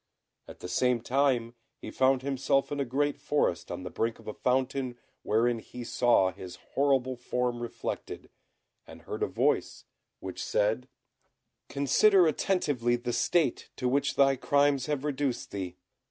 At the same time he found himself in a great forest, on the brink of a fountain wherein he saw his horrible form reflected, and heard a voice, which said, "Consider attentively the state to which thy crimes have reduced thee.